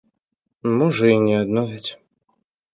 Можа і не адновяць.